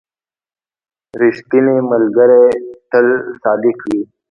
• ریښتینی ملګری تل صادق وي.